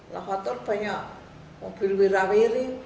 lavator banyak mobil wira wiri